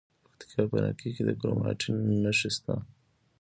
د پکتیکا په نکې کې د کرومایټ نښې شته.